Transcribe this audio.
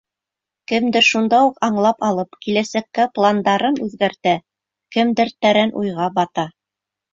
Кемдер шунда уҡ аңлап алып, киләсәккә пландарын үҙгәртә, кемдер тәрән уйға бата.